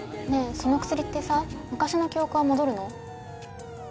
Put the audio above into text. その薬ってさ昔の記憶は戻るの？